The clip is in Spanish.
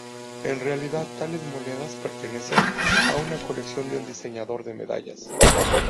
En realidad, tales monedas pertenecen a una colección de un diseñador de medallas.